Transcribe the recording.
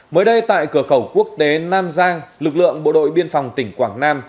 mới đây tại cửa khẩu quốc tế nam giang lực lượng bộ đội biên phòng tỉnh quảng nam